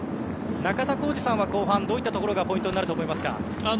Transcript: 中田浩二さんは後半どういったところがポイントになると思いますか？